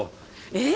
えっ！？